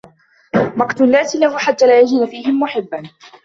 مَقْتُ النَّاسِ لَهُ حَتَّى لَا يَجِدَ فِيهِمْ مُحِبًّا